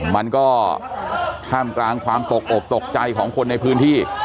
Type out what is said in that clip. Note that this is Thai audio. มันก็ท่ามกลางความตกอกตกใจของคนในพื้นที่